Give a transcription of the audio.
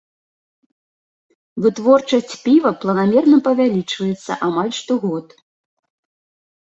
Вытворчасць піва планамерна павялічваецца амаль штогод.